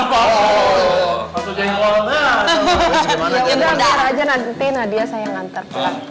yaudah nanti nadia saya nganter